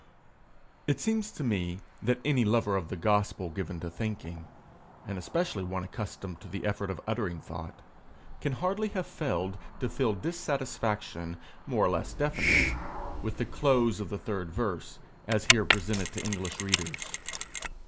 It seems to me that any lover of the gospel given to thinking, and especially one accustomed to the effort of uttering thought, can hardly have failed to feel dissatisfaction, more or less definite, with the close of the third verse, as here presented to English readers.